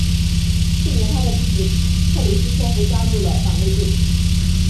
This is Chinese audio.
次年他的弟弟克里斯托福加入了党卫队。